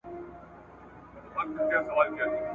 راته ازل ایستلي لاري پرېښودلای نه سم `